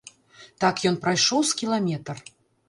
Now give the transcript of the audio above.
Так ён прайшоў з кіламетр.